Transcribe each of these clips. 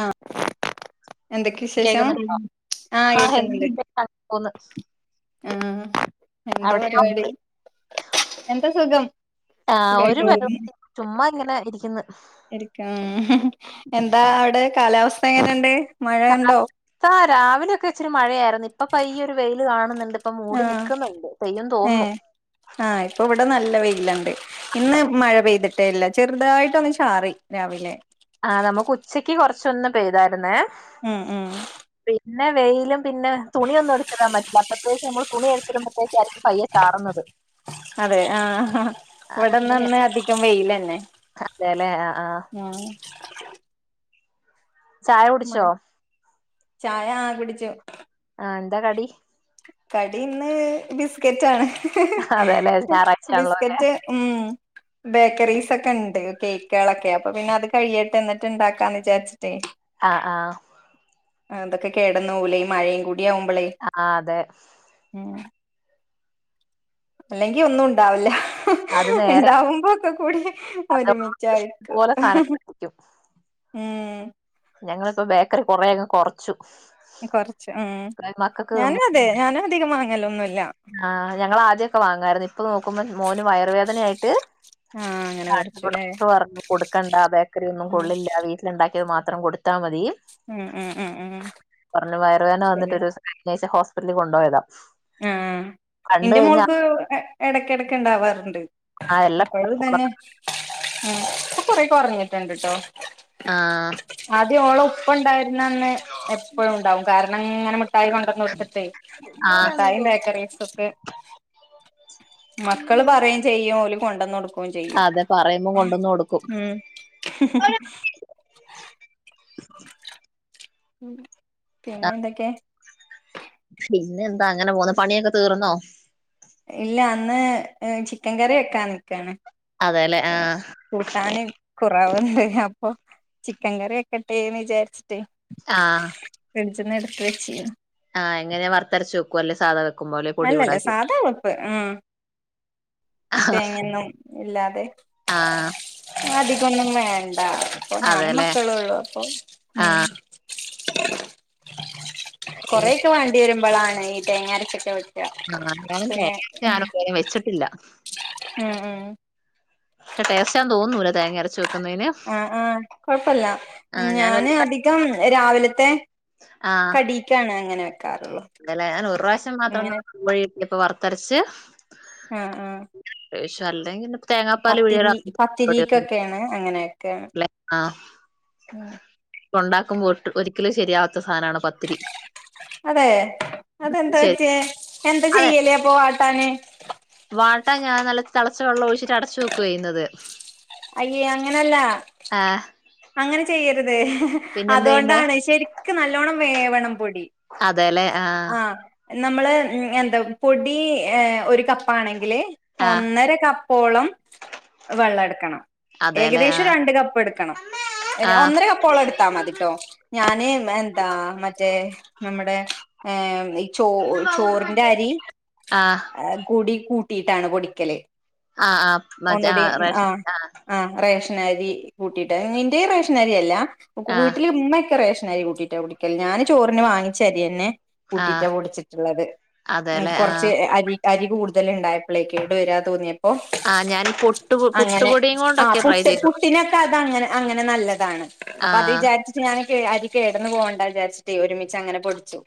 ആഹ് എന്തൊക്കെ വിശേഷം കേക്കുന്നുണ്ടോ ആഹ് ആ എന്താ അവിടെയോ പരിപാടി എന്താ സുഖം ആഹ് ഒരു സുഖായിട്ട് പരിപാടിയില്ല ചുമ്മാ ഇങ്ങനെ ഇരിക്കുന്നു ഇരിക്കും എന്താ അവിടെ കാലാവസ്ഥ എങ്ങനെയുണ്ട് കാലാവസ്ഥ രാവിലെ ഒക്കെ ഇച്ചിരി മഴയായിരുന്ന ഇപ്പൊ പയ്യെ ഒരു വെയില് കാണുന്നുണ്ട് ഇപ്പൊ ആ മൂടി നിക്കുന്നുണ്ട് പെയ്യും ഏ തോന്നുന്നു ആ ഇപ്പൊ ഇവിടെ നല്ല വെയിലുണ്ട് ഇന്ന് മഴ പെയ്തിട്ട് ട്ടില്ല ചെറുതായിട്ട് ഒന്ന് ചാറി രാവിലെ ആ നമ്മുക്ക് ഉച്ചക്ക് കൊറച്ചൊന്ന് പെയ്തായിരുന്നേ മ്മ് മ്മ് പിന്നെ വെയിലും പിന്നെ തുണിയൊന്നും എടുത്തിടാൻ പറ്റില്ല അപ്പൊ അപ്പോഴെക്ക് നമ്മൾ തുണി എടുത്തിടുമ്പത്തേക്ക് അതെ ആ ഹ ഇവിടുന്ന് അങ്ങനെ ന്ന് അധികം വെയിലന്നെ അതെല്ലേ ആഹ് ആഹ് മ്മ് ചായ മഴ കുടിച്ചോ ചായ ആ കുടിച്ചു ആ എന്താ കടി കടി ഇന്ന് ബിസ്കറ്റാണ് അതെല്ലേ ഞായറാഴ്ചയാണല്ലോ അല്ലേ ബിസ്ക്കറ്റ് മ്മ് ബേക്കറീസ് ഒക്കെ ബേക്കറി ബേക്കറിസൊക്കണ്ട്കേക്കുളൊക്കെ അപ്പൊ പിന്നെ അത് കഴിയട്ടെഎന്നിട്ട് ഇണ്ടാക്കാന്ന് വിചാരിച്ചിട്ടെ ആ ആ ആ തൊക്കെ കേടന്ന് പോവൂലെ ഈ മഴയും കൂടി ആവുമ്പളേ ആ അതെ ഉം അല്ലെങ്കി ഒന്നും ഉണ്ടാവില്ല അത് നേരെ ഇണ്ടാവുമ്പോക്കെകൂടി അത് ഒരുമിച്ചായിരിക്കും പോലെ സാധനങ്ങൾ ആയിരിക്കും ഉം ഞങ്ങളിപ്പോൾ ബേക്കറി കുറെയങ്ങ് കുറച്ചു കൊറച്ച് ആ ഞാനും അതെ ഞാനും അധികം വാങ് ക്കലൊന്നും ആഹ് ഞങ്ങൾ ആദ്യൊക്കെ വാങ്ങോയിരുന്നു ഇപ്പൊ നോക്കുമ്പോ മോന് വയറ്വേദനയായി ട്ട് ആഹ് അങ്ങനെ കാണിച്ചപ്പോ കൊറച്ചുല്ലേ ഡോക്ടർ പറഞ്ഞു കൊടുക്കണ്ട ബേക്കറി ഒന്നും ഉം കൊള്ളില്ല വീട്ടില ഉണ്ടാക്കിയത് മാ ത്രം കൊടുത്താൽ മതി ഉം ഉം ഉം ഉം പറഞ്ഞു വയറുവേന ശരി വന്നിട്ടൊരു ഒരു സം [unintelligible] ഹോസ് പിറ്റലി കൊണ്ടോയതാ ആ എന്റെ മോൾക്ക് എടക്ക് എടക്ക് ഉണ്ടാവാറുണ്ട് ആഹ് എല്ലാ [unintelligible] ഉള്ളതാണ് ഉം ഇപ്പൊ കൊറെ കുറഞ്ഞിട്ടുണ്ട് ട്ടോ ആ ആദ്യം ഓള ഉപ്പ ഉണ്ടായിരുന്നന്ന് എപ്പഴും ഉണ്ടാവും കാര ണങ്ങെനെ മു ഠായി കൊണ്ടന്ന് കൊടുത്തിട്ടെ ആ മിഠായിം ബേക്കറീസും ഒക്കെ മക്കള് പറയും ചെയ്യും ഓല് കൊണ്ടന്നൊടുക്കും [unintelligible] ചെയ്യും അതെ പറയുമ്പോ കൊണ്ടന്ന് കൊടുക്കും ഉം ഉം പിന്നെ എന്തൊക്കെ പിന്നെ എന്താ അങ്ങനെ പോവുന്നു പണിയൊക്കെ തീർന്നോ ഇല്ല അന്ന് ചിക്കൻ കറി വെക്കാ നിക്കാണ് അതെല്ലെ ആ കൂട്ടാന് കുറവ് അപ്പൊ ചിക്കൻ കറി വെക്കട്ടെന്ന് വിചാരിച്ചിട്ടേ ആഹ് ഫ്രിഡ്ജ് ന്ന് എടുത്തു വെച്ചിര്ന്നു ആഹ് എങ്ങനെ വർത്തരച്ച് വെക്കുവോ അല്ലേ സാദാ അല്ലല്ല സാധാ വപ്പ് ആ തെങ്ങേന്നും ഇല്ലാതെ ആ അധികൊന്നും വേ അപ്പൊ ഞാനും അതെല്ലെ മക്കളുള്ളു അപ്പൊ ആ ഉം എങ്ങനെ കൊറേക്കെ വെണ്ടിവരുമ്പളാ ഈ തേങ്ങാരച്ചക്കെ വെ ആ ഞാൻ തെങ്ങാരച്ചാ [unintelligible] ഇതുവരെ വെച്ചിട്ടില്ല മ്മ് മ്മ് ടേസ്റ്റാന്ന് തോന്നൂല തേങ്ങാരച്ച് ആ ആ കൊഴപ്പല്ല ആ ഞാൻ ഒരു ഞാന് പ്രാ- അധികം രാവിലത്തെ കടിക്കാണ് അങ്ങനെ വെക്കാറുള്ളു അല്ല ഞാൻ ഒരു റാശ്യം മാത്രം ഇങ്ങനെ [unintelligible] പ്പ വറത്തരച്ച് ആ ആ [unintelligible] പത്തിരി പിഴിയണം പത്തിരിക്കൊക്കെയാണ് അങ്ങനെയൊക്കെയാണ് ഉണ്ടാക്കുമ്പോട്ടും ഒരിക്കലും ശരിയാവ ത്ത സാനാണ് പത്തിരി ശരി അതെന്താറ്റിയെ എന്താ ചെയ്യല് അപ്പൊ അ തന്നെ വാട്ട ഞാൻ നല്ല തെളച്ച വെള്ളൊഴിച്ചിട്ട് അടച്ചു വെയ്ക്കുവാ ചെയ്യുന്നത് അയ്യേ അങ്ങനല്ല ആ അങ്ങനെ ചെയ്യരു ത് പിന്നെന്താ ചെയ്യണ്ടേ? അതൊണ്ടാണ് ശരിക്കും നല്ലോണം വേവണം പൊയി അതെല്ലേ ആ നമ്മള് എന്താ പൊടി ഒരു കപ്പാണെ ങ്കില് ആ ഒന്നര കപ്പോളം വെള്ളേടെ ക്കണം അതേല്ലേ ആ ഏകദേശം രണ്ട് കപ്പെടെക്കണം ആ ഒന്നര കപ്പോളം എടുത്താ മതിട്ടോ ഞാന് എന്താ മറ്റേ നമ്മടെ ഏ ചോ ചോറിന്റെ അരി ആ കുടി കൂ കൂട്ടിയിട്ടാണ് പൊടിക്കല് ആ ആ മതി ആ ഒന്നുകൂടി റേഷ ആഹ് ആ ആഹ് റേഷനരി കൂട്ടിയിട്ട് ഇന്റെയും റേഷനരിയല്ല ആ വീട്ടില് ഉമ്മ ഒക്കെ റേ കരി കൂട്ടീട്ട കുടിക്കല് ഞാന് ചോറിന് വാങ്ങിച്ച അരിയ എന്നെ ആ കൂട്ടിട്ടാ പൊടിച്ചിട്ടുള്ളത് അതെല്ലെ കുറച്ച് ആഹ് അരി അരി കൂടുതല് ഇണ്ടായപ്പളേ കേട് വരാ തോന്നിയ ആ ഞാൻ പുട്ട് പുട്ടുപൊടി ആ പുട്ട് പുട്ടിനൊക്കെ അതങ്ങനെ, അങ്ങനെ നല്ലതാണ്. അപ്പ അത് ആഹ് വിചാരിച്ചിട്ട് ഞാന് കേ അരി കേടന്ന് പോവണ്ട വിചാരിച്ചിട്ടേ ഒരുമിച്ചങ്ങനെ പൊടിച്ചും.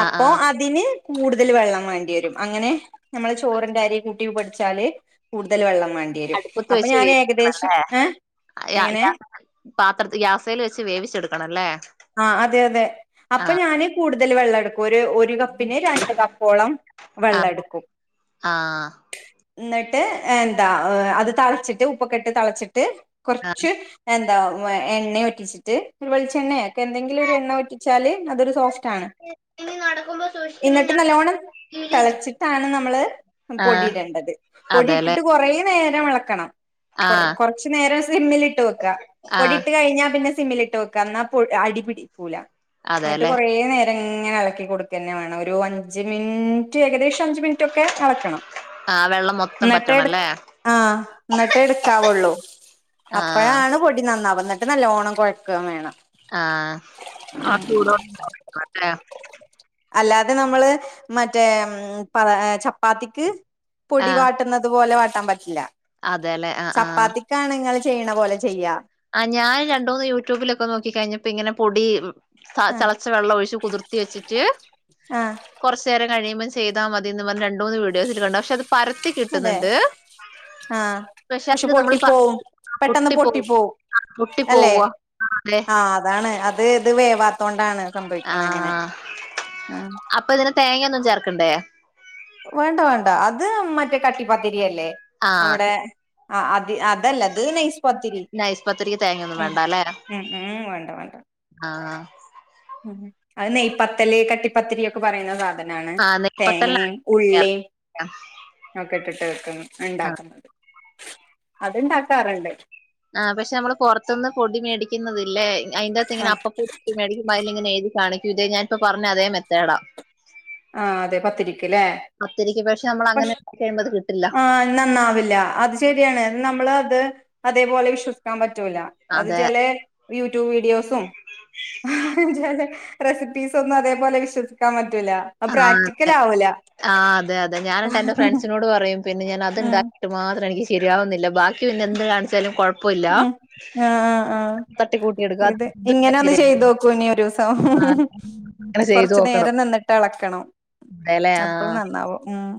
ആഹ് അപ്പൊ ആഹ് അതിന് കൂടുതൽ വെള്ളം വാണ്ടി വരും അങ്ങനെ നമ്മൾ ചോറിന്റെ അരി കൂട്ടി പൊടിച്ചാല് കൂടുതൽ വെള്ളം. വേണ്ടിയരും അപ്പൊ ഞാന് അല്ലേ യാ പാത്രത്ത് ഗ്യാസേല് വെച്ച് വേവിച്ചെടുക്കണംല്ലേ ഏഹ് ആ അതെ, അതെ അപ്പൊ ഞാന് കൂടുതൽ വെള്ള ട്ക്കൊരു ഒര് കപ്പിന് രണ്ട് കപ് പ്പോളം വെള്ളം ആഹ് എടുക്കും. ആഹ് ഇന്നിട്ട് എന്താ അത് തളച്ചിട്ട് ഉപ്പക്കെട്ട് തളച്ച് ട്ട് ആഹ് കുറച്ച് എ എണ്ണ ഒറ്റിച്ചിട്ട് ഒരു വെളിച്ചെണ്ണ ന്തെങ്കിലും ഒരു എണ്ണ വറ്റിച്ചാല് അതൊരു സോഫ്റ്റ് ആണ് ഇനി നടക്കുമ്പോ സൂക്ഷിക്കണം എന്നിട്ട് ഞാൻ നല്ലോണം തെളച്ചിട്ടാണ് - നമ്മള് ആഹ് പൊടിടേണ്ടത് പൊടി അതെല്ലേ ഇട്ടിട്ട് കുറ നേരം- നേരം ഇളക്കണം കൊ ആഹ് കൊറച്ചു നേരം സ്ലിമ്മിൽട്ട് വെക്ക ആഹ് പൊടിട്ട് കഴിഞ്ഞാ പിന്നെ- സിമ്മിലിട്ട് വെക്ക എന്ന- അടിപിടി- എന്നിട്ട് അതെല്ലെ കുറ നേര- എങ്ങനെ ഇളക്കി കൊടുക്കെ വേണം ഒരു അഞ്ച് മിനിട്ട് ഏകദേശം അ മിനിറ്റൊക്കെ അളക്കണം ആഹ് വെള്ളം മൊത്തം എന്നിട്ട് പറ്റണല്ലേ ആ എന്നിട്ടേ എടുക്കാവുള്ളൂ ആഹ് അപ്പോഴാണ് പൊടി നന്നാവ വന്നിട്ട് നല്ല ഓണം കൊഴഴ്ക്കുവേ വേണം ആ അല്ലാതെ നമ്മള് മറ്റേ പ ചപ്പാത്തിക്ക് പൊടി ആഹ് വാട്ടുന്നത് പോലെ വാട്ടാൻ പറ്റ- ഇല്ല അതെല്ലെ ആഹ് ആഹ് ചപ്പാത്തിക്കണങ്ങ ചെയ്യണ പോലെ ചെയ്യാം ഇപ്പ ഇങ്ങനെ പൊടി ആ തിളച്ച വെള്ളം ഒഴിച്ച്ച് കുതിർത്തി വെച്ചിട്ട് ആ കുറച്ചു നേരം കഴിയുമ്പ ചെയതാൽ മതിന്ന് രണ്ട മൂന്ന് വീഡോൽ കണ്ടണ്ട് പക്ഷെ പരത്തി അതെ കിട്ടുന്നുണ്ട് ആഹ പക്ഷെ അത് നമ്മൾ പൊട്ടി പോവും പെട്ടെന്ന് പൊട്ടി പോ പൊട്ടി അല്ലെ പോവ അതെ ആ അതാണ് അത് ഇത് വേവാത്തോണ്ടാണ് സംഭവിക്കണ അങ്ങനെ ആഹ ആ അപ്പൊ ഇതില് തേങ്ങൊന്നും ചേർ ക്കണ്ടെ വേണ്ട വേണ്ട അത് മറ്റേ കട്ടിപ്പ ശരില്ലേ നമ്മടെ ആഹ് അത് അ അതല്ല ത് നൈസ് സ്പത്തിരി നൈസ് പത്തിരിക്ക് തേങ്ങൊന്നും ഉ വേണ്ട അല്ലേ ഉ ഉ വേണ്ട വേണ്ട ആഹ് ഉ അത് നെയ്പ്പത്തല കട്ടിപ്പത്തിരിയ ഒക്കെ പറയുന്ന സാധനം അ ആഹ് നെയ്പത്തലിനാണ് തേങ്ങയും ഉള്ളി ചേർക്ക ഒക്കെ ഇട്ടിട്ട് ആഹ് ണ്ടാക്കണം അത്ണ്ടാക്കാറുണ്ട് ആഹ് പക്ഷെ നമ്മള് പുറത്തുന്ന് പൊടി മേടിക്കുന്നതില്ലേ അതിന്റെത്ത് ആ ഇങ്ങന അപ്പ [unintelligible] മേടിക്കുമ്പോ അയിലിങ്ങനെ എതി കാണിക്കൂ ഇതേ ഞാനിപ്പ പറഞ്ഞ അതെ മെത്തേടാ ആ അതെ പത്തിരിക്കല്ലേ പത്തിരിക്ക് പക്ഷെ നമ്മൾ പക്ഷ അങ്ങനെ കഴിയുമ്പോ അത് കിട്ടില്ല ആ നന്നാവില്ല അത് ശരിയാണ് നമ്മൾ അത് അതേപോലെ ഇശ് ിക്കാൻ പറ്റുല്ല അത് അതെ ചേലെ യൂ ടു വീഡിയോസും അതെതെ റെസിപ്പീസ് ഒന്നും അതെപോലെ വിശ്വസിക്കാൻ പറ്റൂല്ല ആ അതെ ആ അതെ അതെ ഞാനിട്ട് എന്റെ ഫ്രണ്ട്സിനോട് പറയും പിന്നെ ഞാൻ ഉം അത്ണ്ടാകിട്ട് മാത്രനിക്കി ശരിയാവുന്നില്ല ബാക്കി പിന്നെ എന്ത് കാണിച്ചാലും കൊഴ് ഉം ആ ആ ആ തട്ടിക്കൂട്ടി എടുക്കാം അത് ഇത് ഇതുണ്ടാ ഇങ്ങനെ ഒന്ന് ശരിയാ. ചെയ്ത് നോക്കൂ ഇനി ഒരൂസം ആ, അങ്ങനെ ചെയ്ത് കൊറച്ചു നോക്കണം നേരം നിന്നിട്ട് എള കണം അതെല്ലേ ആഹ് അപ്പോനന്നാവും. ഉം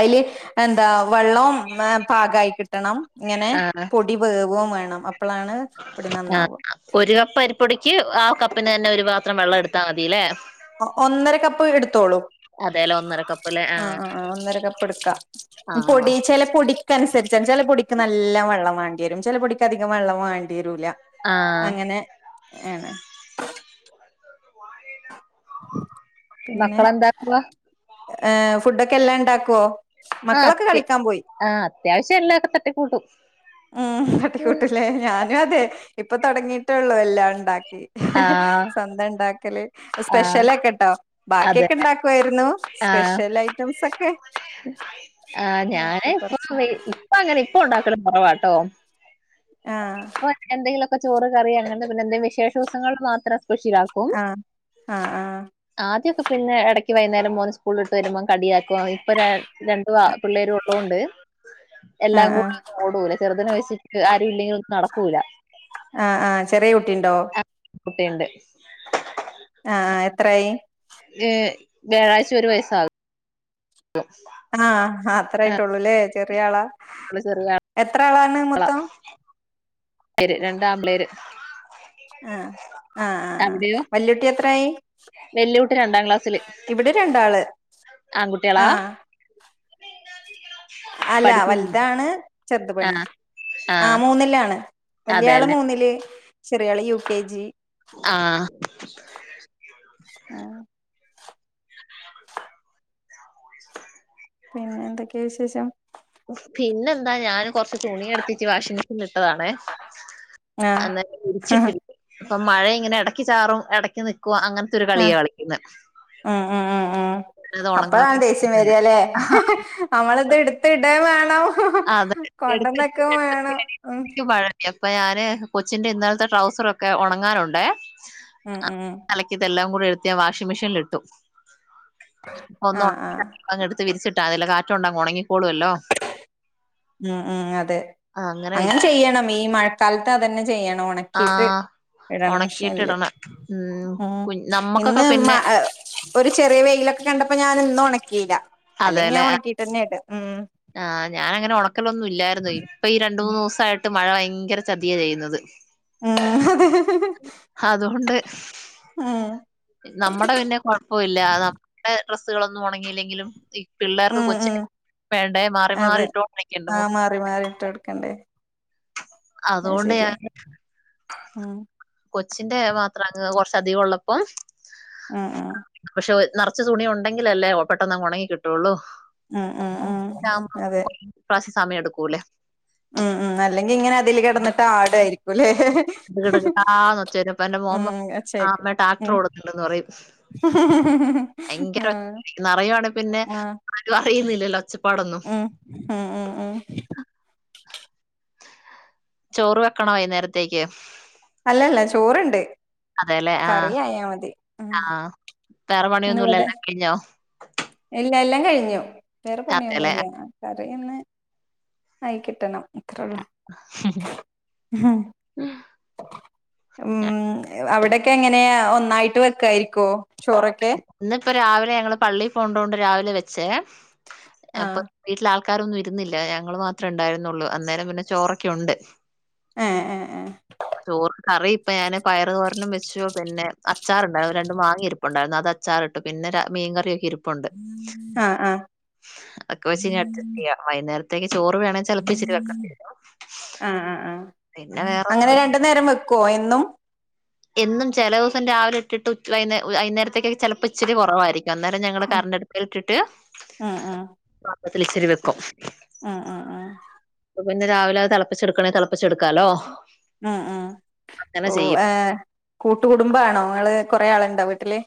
അയില് എന്താ വെള്ളം പാകായി കിട്ടണം. ഇങ്ങനെ പൊടിവേവുകയും വേ [unintelligible] ആ ഒരു കപ്പ് അരിപ്പൊടിക്ക് ആ കപ്പിന് തന്നെ ഒരു പാത്രം വെള്ളം എടുത്താ മതിയല്ലേ? ഒന്നര കപ്പ് എടുത്തോളൂ. അതേലെ ഒന്നര കപ്പ്ല്ലേ ആ ആഹ് ആ ഒന്നര കപ്പ് എടുക്ക ആഹ് പൊടി ചില പൊടിക്കനുസരിച്ച് ചില പൊടിക്ക് നല്ല വെള്ളം വേണ്ടി വരും. ചില പൊടിക്ക് അധികം വെള്ളം വേണ്ടി ല്ല. ആഹ് അങ്ങനെ ആണ് പിന്നെ മക്കളെന്താക്കുവാ ഫുഡ് ഒക്കെ എല്ലാം ഉണ്ടാക്കുവോ? ആഹ് മക്കളൊക്കെ അത്യ കളിക്കാൻ പോയി. ആഹ് അത്യാവശ്യം എല്ലാക്കെ തട്ടിക്കൂട്ടും ഉം. തട്ടിക്കൂട്ടില്ലേ ഞാനും അതെ ഇപ്പൊ തുടങ്ങിട്ടുള്ളൂ. എല്ലാംഉണ്ടാക്ക ആഹ് സ്വന്തം ഉണ്ടാക്കല്. സ്പെഷ്യലെക്കെണ്ടാ? അത് തന്നെ ആ സ്പെഷ്യൽ ഐറ്റംസ് ഒക്കെ ആ ഞാന് ഇപ്പൊ കൊറച്ച് ഇപ്പ ഇപ്പ അങ്ങനെ ഇപ്പൊ ഉണ്ടാക്കല് കുറവാട്ടോ. ആഹ് എന്തങ്കിലു ചോറ്, കറി, അങ്ങനെപിന്നെ എ വിശേഷ ദിവസങ്ങൾ മാത്രം സ്പെഷ്യലാക്കും. ആഹ് ആഹ് ആഹ് ആദ്യംക്കെ പിന്നെ ഇടക്ക് വൈകുന്നേരം മോന് സ്കൂളിലിട്ട് വരുമ്പോം കടിയാക്കും. ഇപ്പൊ രണ്ടു പിള്ളേരും ഉളള കൊണ്ട് എല്ലാം കൂടെ ഒന്ന് ഓടൂല. ചെറുതിന്‌ വി ആ ആ ചെറിയകു ണ്ടോ? [unintelligible] ആ എത്രായായി? ഏ വ്യാഴാഴ്ച ഒരു വയസ്സാകും. [unintelligible] ആ അത്ര ആയിട്ടള്ളൂല്ലേ ചെറിയ ആളാ. ആഹ് ചെറിയ എത്ര ആളാ? ണ മൊത്തം. പേര് രണ്ടാം പേര് ആഹ് ആഹ് ആ ആ വല്യ കുട്ടി എത്രയായി? വെല്ല്യ കുട്ടി രണ്ടാം ക്ലാസ്സില്. രണ്ടാള് ആൺകുട്ടികളാ? ആഹ് അല്ല പഠിക്കുന്നു വൽതാണ്. ചെറ്ത് പെണ്ണ്. ആഹ് ആ ആഹ് മൂന്നിലാണ് വല്യാള് അതെല്ലെ മൂന്നില് ചെറിയാള് യു കെ ജി ആഹ് ആ പിന്നെ എന്തൊക്കെയാ വിശേഷം? ഉഫ് പിന്നെന്താ ഞാനും. കൊറച്ച് തുണിയെട്ത്തിട്ട് വാഷിംഗ് മെഷീന്ല് ഇട്ടതാണെ. ആ അന്നേരം വിരിച്ചിട്ടി ഇപ്പം മഴ ഇങ്ങനെ എടക്ക് ചാറും എടയ്ക്ക് നിക്ക് ആ ഉം ഉം ഉം ഉം. അത് ഉണങ്ങാൻ അപ്പഴാണ് ദേഷ്യം വേണ്ടി വര്കാല്ലേ? നമ്മളിത് എടുത്തിടേം വേണ ണോ അതെ. ഉം എട്ത്തിട്ട് [inaudible] മഴ എപ്പ ഞാന് കൊച്ചിന്റെ ഇന്നലത്തെ ട്രൗസറൊക്കെ ഒണങ്ങാനുണ്ടേ. ഉം അ ഉം അലക്കിയതെല്ലാം. കൂടെയെട്ത്ത് ഞാൻ വാഷിംഗ് മെഷീൻലിട്ടു. ആ ആ ഒന്നൊണങ്ങിയാ അങ്ങെടുത്ത് വിരിച്ചിട്ട് ട്ടതിലെ കാറ്റ് കൊണ്ട അങ്ങൊണങ്ങിക്കോളുവല്ലോ. ഉം ഉം അതെ. അങ്ങനെ ചെയ്യണം ഈ ഈ മഴക്കാലത്ത് അതന്നെ ച് ചെയ്യണം ആ ഒണക്കീട്ട് ഇടണം, ഉണക്കിയിട്ട് പക്ഷെങ്കില്. ഇടണം ഉം കുഞ്ഞ് നമ്മക്കൊക്കെ ഇന്ന് മ പിന്നെ ഒരു ചെറിയ വെയിലൊക്കെ കണ്ടപ്പോ ഞാനിന്നൊ ണക്കീല്ല അല്ലെങ്കി ഞാൻ അതെല്ലേ ഒണക്കീട്ടന്നെയാ ഇടാ ഒണക്കൊലൊന്നുല്ലായിരുന്നു. ഇപ്പൊ ഈ രണ്ട് ഉം മൂന്ന് ദിവസായിട്ട് മഴ ഭയങ്കര ചതിയാ ചെയ്യുന്നത് ഉം അതെ അതുകൊണ്ട്, ഉം നമ്മടെ പിന്നെ കൊഴപ്പില്ല. നമ്മുടെ ഡ്രസ്സ്കളൊന്നും ഒണങ്ങിയില്ലെങ്കിലും ഈ പിള്ളേർക്ക് ഉം കൊച്ചി ഉം വേണ്ടേ മാറി മാറി അതെ. ഇട്ടോണ്ടിരിക്കണ്ടെ മു ആഹ് മാറി മാറീട്ട് ഇട്ടൊടുക്കണ്ടേ? അതുകൊണ്ട് ഞാന് മ്മ് കൊച്ചിന്റെ മാത്രങ്ങ് കൊറച്ചധികം ഉള്ളപ്പം ആഹ് ആഹ് നർച്ച് തുണി ഉണ്ടങ്കിലല്ലേ പെട്ടന്നങ്ങുണങ്ങി കിട്ടോള്ളൂ. ഉം ഉം ഉം അതെ. ഇപ്രാവശ്യം സമയം എടുക്കൂല്ലേ. ഉം ഉം അല്ലെങ്കിങ്ങനെ അതില് കിടന്നിട്ട് ആടായിരിക്കുംല്ലേ? കിടു കിടാന്ന് ഒച്ചേക്കും അപ്പ എന്റെ മോൻ പ ഉം ഒച്ചേക്ക് അമ്മേ ട്രാക്ടർ ഉം കൊടുക്കണ്ടന്ന് പറയും ഭയങ്കര ആഹ് ഒ നറയുവാണ് പിന്നെ ആഹ് ആരും അറിയുന്നി ലിളച്ച് ഉം ഉം ഉം ഉം. ചോറ് വെക്കണ വൈന്നേര ത്തയ്ക്ക് അല്ലല്ല ചോറ്ണ്ട് കറിയായാമതി ആഹ് വേറെ പണി ഒന്നുംല്ല ല്ലാം കഴിഞ്ഞോ എല്ല എല്ലാം കഴിഞ്ഞു വേറെ അതേല്ലേ പണിയൊന്നുല്ലേ [unintelligible] ആയി കിട്ടണം അത്രേള്ളൂ ഉം അവിടെക്കെങ്ങനെയാ ഒന്നായിട്ട് വെക്കായിരിക്കോ ചോറൊക്കെ പ്പൊ രാവിലെ ഞങ്ങൾ പള്ളി പോണ്ടോണ്ട് രാവിലെ വെച്ചേ അപ്പ ആഹ് വീട്ട്ലാൾ ക്കാരൊന്നും ഇരുന്നില്ല ഞങ്ങൾ മാത്രേ ണ്ടായിരുന്നുള്ളു അന്നേരം പിന്നെ ചോറൊക്കെ ഉണ്ട് ഏ എ എ ചോറ് കറി ഇപ്പൊ ഞാന് പയറ് തോരനും വെച്ച് പിന്നെ അച്ചാറുണ്ട രണ്ടും വങ്ങി ഒണ്ടാർന്നു അത് അച്ചാർ ഇട്ട് പിന്നെ മീൻ കറി ഇരി ഇപ്പെണ്ട് ആഹ് ആഹ് അത് ഒക്കെ വെച്ച് അട്ജസ്റ്റ് ചെയ്യാം വൈയ്നേരം ചോറ് വേണേൽ ചെലപ്പോ ഇച്ചിരി വെക്കണ്ടി വരും ആഹ് ആഹ് ആഹ് പിന്നെ അങ്ങനെ വേറൊന്നുമില്ല. രണ്ടു നേരം വെക്കോ ന്നും എന്നും ചെല ദിവസം രാവിലെ ഇട്ടിട്ട് വൈന്നേ വൈന്നേരത്തേക്ക് ചെലപ്പോ ച്ചിരി കുറവായിരിക്കും അന്നേരം ഞങ്ങള് ഉം കറണ്ട്ടപ്പിലിട്ടിട്ട് ഉം ഉം പാത്രത്തിൽ ഇച്ചിരി വെക്കും ഉം ഉം ഉം പിന്നെ രാവിലെ അത് തിളപ്പിച്ചെടുക്കണെങ്കിൽ തിളപ്പിച്ചെടുക്കാലോ ഉം ഉം ഓ ഹോ കൂട്ട കുടുംബംമാണോ നിങ്ങള് കൊറെ ആളുണ്ടോ വീട്ടില്?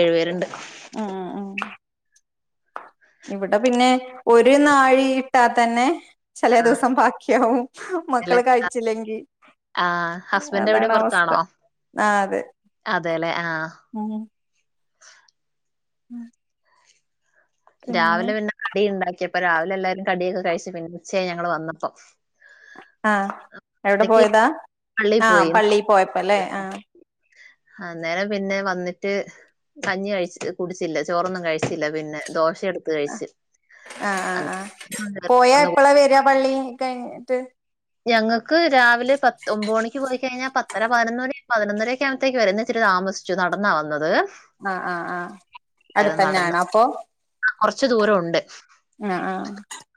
ഏഴ് പേരുണ്ട് ഉം ഉ ഇവിടെ പിന്നെ ഒരു നാഴി ട്ടാ തന്നെ ചില ആഹ് ദിവസം ബാക്കിയവും അല്ലെ മക്കള് കഴിച്ചില്ലെങ്കി ആഹ് ഹസ്ബൻഡ് എവിടെ അതാണ് അവസ്ഥ പൊറത്താണോ ആ അതെ അതെല്ലെ ആഹ് ഉം ഉം രാവിലെ പിന്നെ കടി ഉണ്ടാക്കി അപ്പം രാവിലെ എല്ലാവാരും കടിയൊക്കെ കഴിച്ചു പിന്നെ ഉച്ചയാ ഞങ്ങള് വന്നപ്പോ ആഹ് എവ്ടെ ഉച്ചക്ക് പോയതാ പള്ളി ആഹ പോയി പള്ളീ പോയപ്പോ ല്ലേ ആഹ്. അന്നേരം പിന്നെ വന്നിട്ട് കഞ്ഞി കഴിച്ച് കുടിച്ചില്ല ചോറൊന്നും കഴിച്ചില്ല പിന്നെ. ദോഷ അഹ് ആഹ് ആഹ് ആഹ് പോയാ എപ്പളാ വരാ പള്ളി? കയ്ന്ന്ട്ട് ഞങ്ങ ക്ക് രാവിലെ പത്ത് ഒമ്പ മണിക്ക് പോയി കഴിഞ്ഞാ പത്തര പതിനൊന്ന മണ പതിനൊന്നരെക്കെ ആമ്പത്തേക്ക് വരും. ന്ന് ഇച്ചിരി താമസ്ച്ചു നടന്നാ വന്നത്. ആഹ് ആഹ് ആഹ് അടുത്തന്നാണോ അപ്പൊ? കൊർച്ചു ദൂരണ്ട്. ആഹ് ആഹ്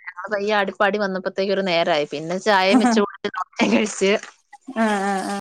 ഞങ്ങള് വയ്യ ആടിപ്പാടി വന്നപ്പോത്തേക്ക് ഒരു നേരായി പിന്നെ ചായയും വെച്ച് [unintelligible] [unintelligible] [unintelligible]